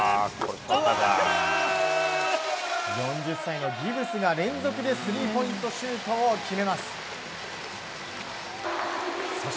４０歳のギブスが連続でスリーポイントシュートを決めます。